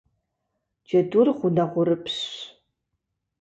Джэдур гъунэгъурыпщщ.